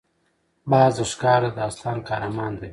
باز د ښکار د داستان قهرمان دی